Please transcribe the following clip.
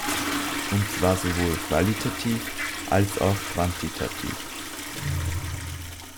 Und zwar sowohl qualitativ als auch quantitativ.